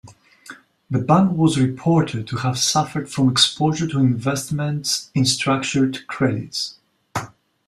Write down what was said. The bank was reported to have suffered from exposure to investments in structured credits.